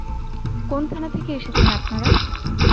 কোন থানা থেকে এসেছেন আপনারা?